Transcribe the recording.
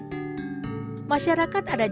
masyarakat ada jawa mempercayai makna serangkaian